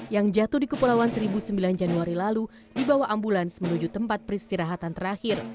yang jatuh di kepulauan seribu sembilan januari lalu dibawa ambulans menuju tempat peristirahatan terakhir